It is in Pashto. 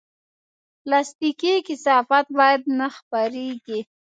پلاستيکي کثافات باید نه خپرېږي.